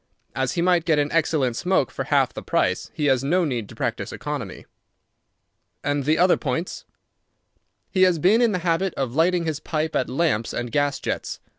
"As he might get an excellent smoke for half the price, he has no need to practise economy." "And the other points?" "He has been in the habit of lighting his pipe at lamps and gas jets.